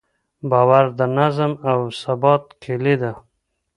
باور د نظم او ثبات کیلي ده.